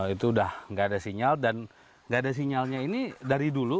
itu udah nggak ada sinyal dan nggak ada sinyalnya ini dari dulu